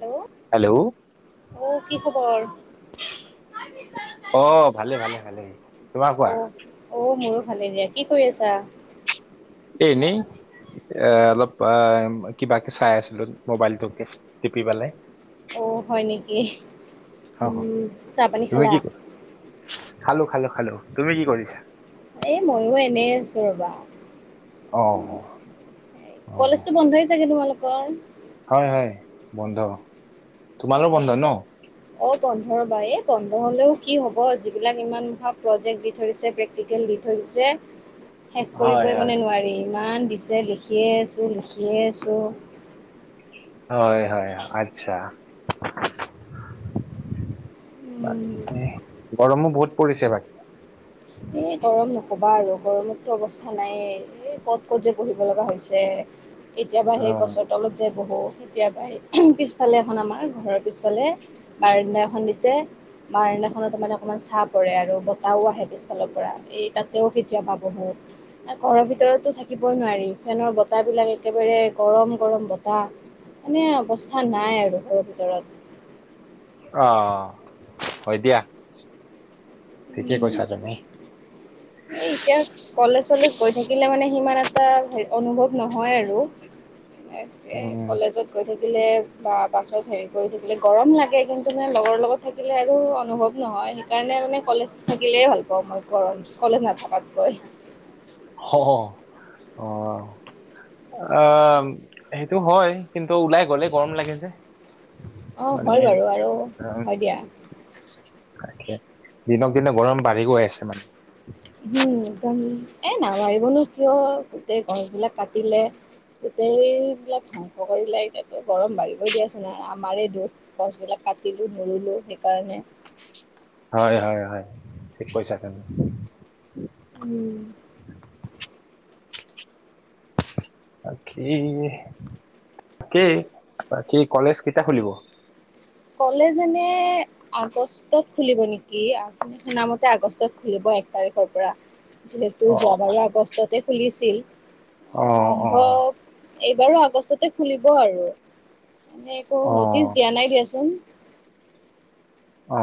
Hello hello অহ কি খবৰ? অহ, ভালে ভালে ভালে তোমাৰ কোৱা? অহ মোৰো ভালে দিয়া, কি কৰি আছা? এহ, এনেই এ অলপ কিবাকে চাই আছিলোঁ মোবাইলটোকে টিপি পেলাই। অ হয় নেকি অ উম চাহ পানী খালা? খালোঁ খালোঁ খালোঁ তুমি কি কৰিছা? এ ময়ো এনেই আছোঁ ৰবা, অ' অ কলেজটো বন্ধই চাগে তোমালোকৰ, হয় হয় বন্ধ, তোমাৰো বন্ধ ন? অ বন্ধ ৰবা, এ বন্ধ হ'লেও কি হ'ব যিবিলাক ইমান প্ৰজেক্ট দি থৈছে, যিগাল দি থৈছে, শেষ হয় কৰিবই হয় মানে নোৱাৰি, ইমান দিছে লিখিয়ে আছোঁ লিখিয়ে আছোঁ। হয় হয় আচ্ছা, বাকি উম গৰমো বহুত পৰিছে বাকী, এই গৰম নক'বা আৰু গৰমততো অৱস্থা নাইয়ে, এই ক'ত ক'ত যে বহিব লগা হৈছে। কেতিয়াবা অ সেই গছৰ, তলত যে বহোঁ, কেতিয়াবা পিছফালে এখন আমাৰ ঘৰৰ পিছফালে বাৰানদা এখন দিছে বাৰানাখনত তাৰ মানে অকনমান ছাঁহ পৰে আৰু বতাহও আহে পিছ, ফালৰ পৰা এই তাতেও কেতিয়া বহোঁ। ঘৰৰ ভিতৰতো থাকিবই নোৱাৰি, ফেনৰ বতাহ বিলাক একেবাৰে গৰম গৰম বতাহ। মানে অৱস্থা নাই আৰু ঘৰ ভিতৰত। অ' হয় দিয়া। ঠিকেই উম কৈছা তুমি। এই এতিয়া কলেজ চলেজ গৈ থাকিলে মানে সিমান এটা হে অনুভৱ নহয় আৰু, সেইটোৱে উম কলেজত, গৈ থাকিলে বা পাছত হেৰি কৰি থাকিলে, গৰম লাগে কিন্তু মানে লগৰ লগত থাকিল থাকিলে আৰু অনুভৱ নহয়, সেইকাৰণে মানে কলেজ থাকিলেই ভাল পাওঁ মই গৰম। কলেজ নাথকাতকৈ, হ অ' অ সেইটো হয়, কিন্তু ওলাই গ'লে গৰম লাগে যে। অ হয় মানে বাৰু, আৰু উম হয় দিয়া। তাকে দিনক দিনে গৰম বাঢ়ি গৈ আছে মানে। উম' একদম, এ নাবাৰিবনো কিয় গোটেই গছবিলাক কাটিলে, গোটেইবিলাক ধ্বংস কৰিলে, এতিয়া গৰম বাঢ়িবই দিয়াচোন ন আমাৰেই দুখ। গছবিলাক কাটিলোঁ মেলিলো সেইকাৰণে, হয় হয় হয়, ঠিক কৈছা তুমি। উম' বাকী তাকেই বাকী কলেজ কেতিয়া খুলিব? কলেজ এনে আগষ্টত খুলিব নেকি, আপুনি শুনা মতে আগষ্টত খুলিব এক তাৰিখৰ পৰা। যিহেতু অ যোৱাবাৰো আগষ্টতে খুলিছিল, অ অ সম্ভৱ এইবাৰো আগষ্টতে খুলিব আৰু মানে একো অ নটিচ দিয়া নাই দিয়াচোন। অ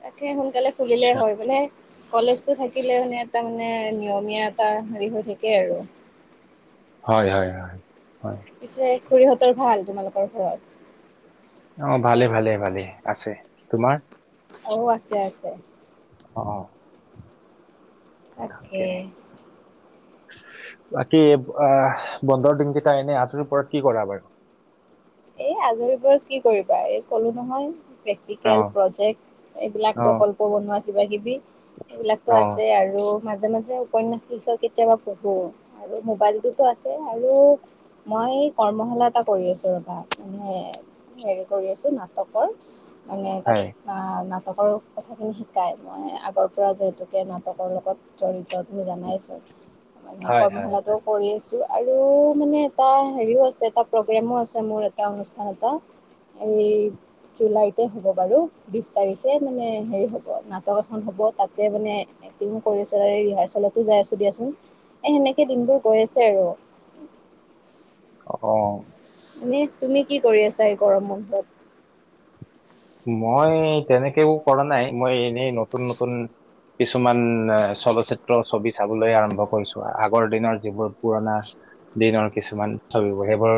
তাকে সোনকালে খুলিলে আচ্ছা হয় গ'লে কলেজটো থাকিলে মানে এটা মানে নিয়মীয়া এটা হেৰি হৈ থাকে আৰু হয় হয় হয় হয় পিছে খুৰীহঁতৰ ভাল তোমালোকৰ ঘৰত? অ ভালে ভালে ভালে আছে তোমাৰ অ' আছে আছে, অ' তাকে, [inaudible] বাকী, আহ বন্ধৰ দিন কেইটা এনে আজৰি পৰত কি কৰা বাৰু? এই আজৰি পৰত কি কৰিবা এই কলো নহয়। অ প্ৰেক্টিকেল, প্ৰজেক্ট এইবিলাক অ প্ৰকল্প বনোৱা কিবা কিবি। এইবিলাকটো অ আছে আৰু, মাজে মাজে উপন্যাসৰ বিষয়ে কেতিয়াবা পঢ়ো, আৰু মোবাইলটোতো আছে আৰু মই কৰ্মশালা এটা কৰি আছো ৰবা মানে হেৰি কৰি আছো নাটকৰ মানে তাত হয় আ নাটকৰ কথাখিনি শিকাই, মই আগৰ পৰা যিহেতুকে নাটকৰ লগত জৰিত তুমি জানাইচোন, মানে হয় হয় কৰ্মশালাটোও হয় কৰি আছো। আৰু মানে এটা হেৰিও আছে এটা প্ৰগ্ৰেমো আছে মোৰ এটা অনুষ্ঠান এটা এই জুলাইতে হ'ব বাৰু বিশ তাৰিখে মানে হেৰি হ'ব নাটক এখন হ'ব তাতে মানে এক্টিঙো কৰিছো ৰিহাৰ্চেলতো যাই আছো দিয়াচোন এই হেনেকে দিনবোৰ গৈ আছে আৰু অ এনে তুমি কি কৰি আছা এই গৰম বন্ধত মই তেনেকেও কৰা নাই মই এনেই নতুন নতুন কিছুমান এ চলচ্চিত্ৰ ছবি চাবলৈ আৰম্ভ কৰিছো আগৰ দিনৰ যিবোৰ পুৰণা দিনৰ কিছুমান ছবিবোৰ সেইবোৰ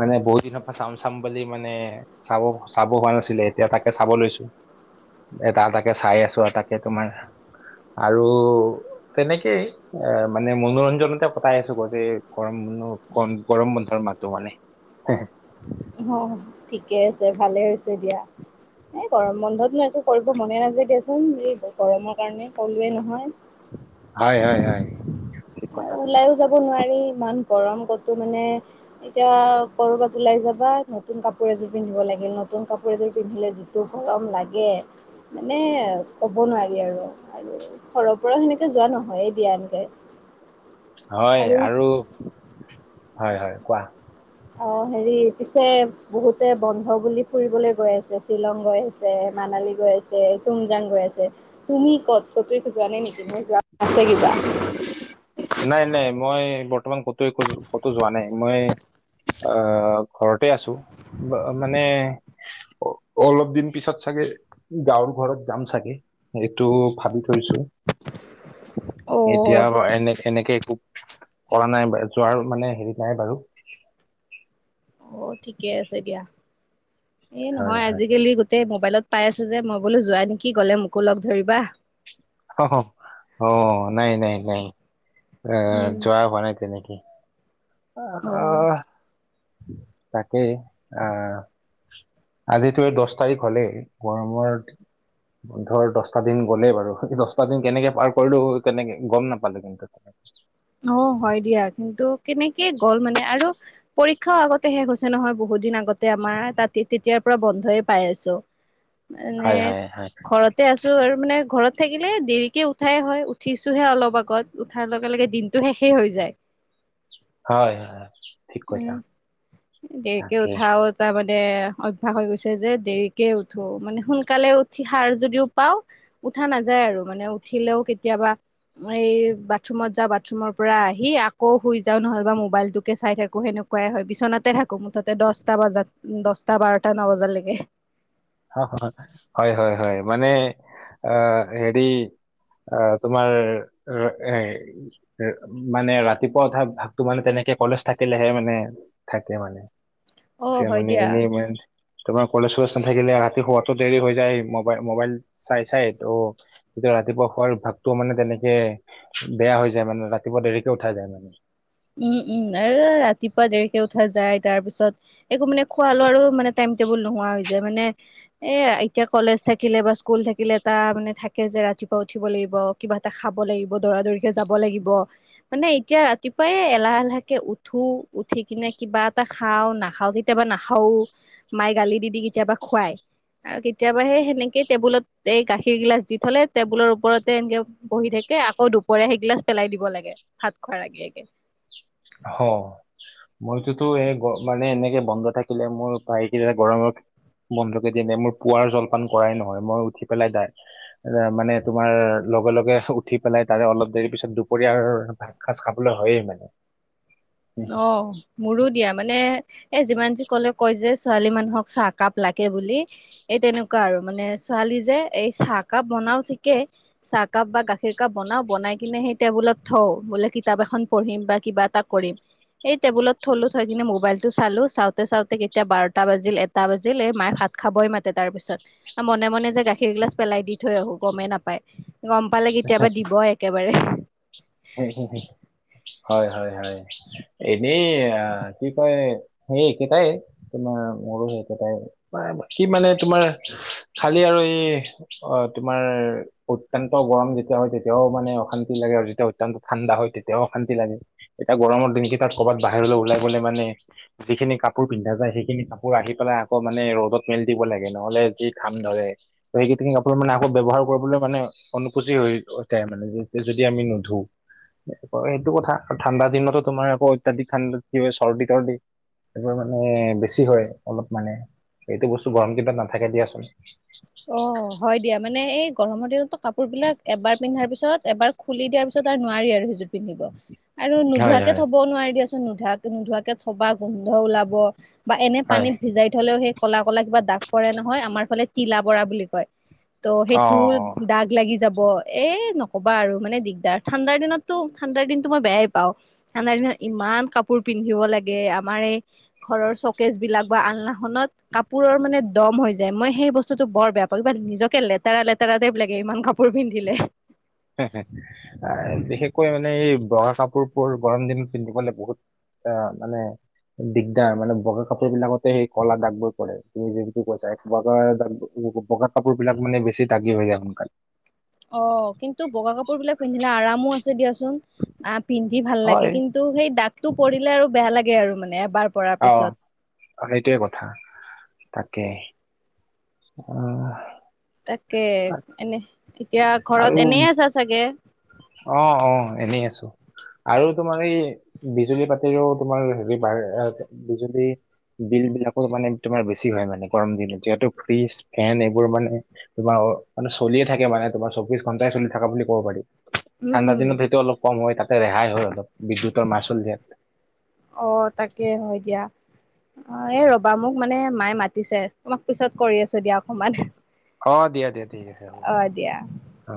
মানে বহুত দিনৰ পৰা চাম চাম বুলি মানে চাব চাব হোৱা নাছিলে এতিয়া তাকে চাব লৈছো এটা এটাকে চাই আছো তাকে তোমাৰ আৰু তেনেকেই এ মানে মনোৰঞ্জনতে কতাই আছো গোটেই গৰম বন্ধু গৰম বন্ধৰ মাহটো মানে হে অ ঠিকে আছে ভালে হৈছে দিয়া এই গৰম বন্ধতনো একো কৰিব মনে নাযায় দিয়াচোন যি গৰমৰ কাৰণে কলোৱে নহয়। হয় হয় হয় ঠিক কৈছা তুমি ওলাইও যাব নোৱাৰি ইমান গৰম কতো মানে এতিয়া কৰ'বাত ওলাই যাবা নতুন কাপোৰ এযোৰ পিন্ধিব লাগিল নতুন কাপোৰ এযোৰ পিন্ধিলে যি টো গৰম লাগে। মানে ক'ব নোৱাৰি আৰু আৰু ঘৰৰ পৰাও হেনেকে যোৱা নহয়েই দিয়া এনকে। হয় আৰু হয় হয় কোৱা অ হেৰি পিছে বহুতে বন্ধ বুলি ফুৰিবলৈ গৈ আছে শ্বিলং গৈ আছে, মানালী গৈ আছে, তুংজাং গৈ আছে তুমি ক'ত কতো একো যোৱা নাই নেকি তুমি যোৱা আছে কিবা নাই নাই মই বৰ্তমান কতো একো কতো যোৱা নাই মই আহ ঘৰতে আছো মানে অ অলপ দিন পিছত চাগে গাঁৱৰ ঘৰত যাম চাগে এইটো ভাবি থৈছো। অ এতিয়া এনে এনেকে একো কৰা নাই যোৱাৰ মানে হেৰি নাই বাৰু অ ঠিকে আছে দিয়া এই হয় নহয় হয় আজিকালি তে মোবাইলত পাই আছো যে মই বোলো যোৱা নেকি গলে মোকো লগ ধৰিবা। [unintelligible] নাই- নাই- নাই এ যোৱা হোৱা নাই এতিয়ালৈকে। অ', আহ, তাকেই আহ আজিতো এই দচ তাৰিখ হলেই গৰমৰ ধৰ দহটা দিন গ'লেই বাৰু হিটো দচটা দিন কেনেকে পাৰ কৰিলো কেনেকে গম নাপালো কিন [unintelligible] অ হয় দিয়া কিন্তু কেনেকে গ'ল মানে আৰু পৰীক্ষা আগতে শেষ হৈছে নহয় বহুত দিন আগতে আমাৰ তাতে তেতিয়াৰ পৰা বন্ধয়ে পাই আছো। মানে হয় হয় হয় ঘৰত তে আছো আৰু মানে ঘৰত থাকিলে দেৰিকে উঠাই হয় উঠিছোহে অলপ আগত উঠাৰ লগে লগে দিন টো সেই হৈ যায় হয় ঠিক কৈছা উম উম। দেৰিকে উঠাও এটা মানে অভ্যাস হৈ গৈছে যে, দেৰিকে উঠো মানে সোনকালে উঠি সাৰ যদিও পাওঁ উঠা নাযায় আৰু মানে উঠিলেও কেতিয়াবা এই বাথৰুমত যাও বাথ ৰুমৰ পৰা আহি আকৌ শুই যাওঁ নহ'লে বা মোবাইলটোকে চাই থাকো সেনেকুৱাই হয় বিচনাতে থাকো। আকৌ মুঠতে দচটা বাজাত দচটা বাৰটা নাবাজালৈকে। অ, হয়- হয়- হয় মানে আ হেৰি অ, তোমাৰ মানে ৰাতিপুৱা উঠা অভ্যাসটো মানে তেনেকে কলেজ থাকিলেহে মানে থাকে মানে। অ যে হয় মানে দিয়া এনে মানে মই আছোঁ তোমাৰ কলেচো আছে নে থাকিলে ৰাতি শুৱাতো দেৰি হৈ যায় মোবাইল -মোবাইল চাই -চাই ত'। তেতিয়া ৰাতিপুৱা খোৱাৰ অভ্যাসটো মানে তেনেকে বেয়া হৈ যায় মানে ৰাতিপুৱা দেৰিকে উঠা যায় মানে। উম-উম আৰু ৰাতিপুৱা দেৰিকে উঠা যায় তাৰপিছত একো মানে খোৱা লোৱাৰো মানে টাইম টেবুল নোহোৱা হৈ যায় মানে এয়া এতিয়া কলেজ থাকিলে বা স্কুল থাকিলে এটা মানে থাকে যে ৰাতিপুৱা উঠিব লাগিব কিবা এটা খাব লাগিব দৌৰা দৌৰিকে যাব লাগিব মানে এতিয়া ৰাতি উপায় নাই এলাহ এলাহকে উঠো উঠি কিনে কিবা এটা খাওঁ নাখাওঁ কেতিয়াবা নাখাওঁ। মায়ে গালি দি- দি কেতিয়াবা খুৱাই। আৰু কেতিয়াবা সেই সেনেকে টেবুলত এই গাখীৰ গিলাচ দি থলে টেবুলৰ ওপৰতে এনকে বহি থাকে আকৌ দুপৰীয়া সেইগিলাছ পেলাই দিব লাগে ভাত খোৱাৰ আগে -আগে। হ মইতোতো এই মানে এনেকে বন্ধ থাকিলে মোৰ ভাইটোৱে গৰমত বন্ধ কেদিনে মোৰ পুৱাৰ জলপান কৰাই নহয় মই উঠি পেলাই দাই এ মানে তোমাৰ লগে -লগে উঠি পেলাই তাৰে অলপ দেৰি পিছত দুপৰীয়াৰ ভাত সাঁজ খাবলে হয়ে মানে। অ', মোৰো দিয়া মানে এ যিমান যি কলে কয় যে ছোৱালী মানুহক চাহকাপ লাগে বুলি এই তেনেকুৱা আৰু মানে ছোৱালী যে এই চাহকাপ বনাও ঠিকে চাহকাপ বা গাখীৰ কাপ বনাওঁ বনাই কিনে সেই টেবুলত থওঁ বোলে কিতাপ এখন পঢ়িম বা কিবা এটা কৰিম। এই টেবুলত থলো থৈ কিনে মোবাইল টো চালো চাওঁতে -চাওঁতে কেতিয়া বাৰটা বাজিল, এটা বাজিল এই মাইয়ে ভাত খাবই মাতে তাৰ পিছত আ মনে -মনে যে গাখীৰ গিলাছ পেলাই দি থৈ আহো গমেই নাপায়। গম পালে কেতিয়াবা দিব একেবাৰে। [unintelligible] হয়-হয়, -হয়। এনেইয়া কি কয় সেই একেইটাই তোমাৰ মোৰো সেই একেইটাই। কি মানে তোমাৰ খালি আৰু এই অ, তোমাৰ অত্যন্ত গৰম যেতিয়া হয় তেতিয়াও মানে অশান্তি লাগে আৰু যেতিয়া অত্যান্ত ঠাণ্ডা হয় তেতিয়াও শান্তি লাগে এতিয়া গৰমৰ দিনকেইটাত ক'বাত বাহিৰলে ওলাই গলে মানে যিখিনি কাপোৰ পিন্ধা যায় সেইখিনি কাপোৰ আহি পেলাই আকৌ মানে ৰ'দত মেলি দিব লাগে নহলে যি ঘাম ধৰে। [unintelligible] সেইপিনি কাপোৰ মানে আকৌ ব্যৱহাৰ কৰিবলৈ মানে অনুকূচি হৈ উঠে মানে যদি আমি নোধো। হয় এইটো কথা ঠাণ্ডা দিনতো তোমাৰ আকৌ অত্যাধিক ঠাণ্ডাত কি হয় চৰ্দি -তৰ্দি। এইবোৰ মানে বেছি হয় অলপ মানে এইটো বস্তু গৰম দিনত নাথাকে দিয়াছোন। অ, হয় দিয়া মানে এই গৰমৰ দিনততো কাপোৰ বিলাক এবাৰ পিন্ধাৰ পিছত এবাৰ খুলি দিয়াৰ পিছত আৰু নোৱাৰি আৰু সিযোৰ পিন্ধিব আৰু হয় নোধোৱাকে হয় থবও নোৱাৰি দিয়াচোন নোধোৱাকে নোধোৱাকে থবা গোন্ধ ওলাব। বা এনে হয় পানীত ভিজাই থলেও সেই ক'লা ক'লা কিবা দাগ পৰে নহয় আমাৰ ফালে তিলা পৰা বুলি কয়। ত' অ সেইটো দাগ লাগি যাব। এই নকবা আৰু মানে দিগদাৰ ঠাণ্ডাৰ দিনততো ঠাণ্ডাৰ দিনতো মই বেয়াই পাওঁ। ঠাণ্ডাৰ দিনত ইমান কাপোৰ পিন্ধিব লাগে আমাৰ এই ঘৰৰ চকেজ বিলাক বা আলনাখনত কাপোৰৰ মানে দম হৈ যায মই সেই বস্তু [unintelligible] বৰ বেয়া পাবিবা নিজকে লেতেৰা- লেতেৰা টাইপ লাগে ইমান কাপোৰ পিন্ধিলে। বিশেষকৈ মানে এই বগা কাপোৰবোৰ গৰম দিনত পিন্ধিবলৈ বহুত। তা মানে। দিগদাৰ মানে বগা কাপোৰ বিলাকতে সেই ক'লা দাগবোৰ পৰে তুমি যোনটো কৈছা বগা দাগ। বগা কাপোৰ বিলাক মানে বেছি দাগি হৈ যায়। সোনকালে অ কিন্তু বগা কাপোৰ বিলাক পিন্ধিলে আৰামো আছে দিয়াচোন আহ পিন্ধি ভাল লাগে হয় কিন্তু ত সেই দাগতটো পৰিলে আৰু বেয়া লাগে আৰু মানে এবাৰ পৰাৰ অ পিছত সেইটোৱে কথা তাকেই অহ তাকে এনে এতিয়া আৰু ঘৰত এনে আছা চাগে অ অ এনেই আছোঁ। আৰু তোমাৰ এই বিজুলী পাতিৰেও তোমাৰ হেৰি ডা--বিজুলী বিল বিলাকো মানে তোমাৰ বেছি হয় মানে গৰম দিনত যিহেতু ফ্ৰীজ ফেন এইবোৰ মানে তোমাৰ মানে চলিয়ে থাকে মানে তোমাৰ চৌবিশ ঘণ্টাই চলি থকা বুলি ক'ব পাৰি। উম ঠাণ্ডা উম দিনত সেইটো অলপ কম হয় তাতে ৰেহাই হয় অলপ বিদ্যুতৰ মাচুল দিয়াত অ তাকে হয় দিয়া অ এই ৰবা মোক মানে মায়ে মাতিছে। তোমাক পিছত কৰি আছোঁ দিয়া অকমান। অ দিয়া দিয়া ঠিক আছে হ'ব অ দিয়া। অ।